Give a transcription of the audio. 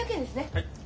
はい。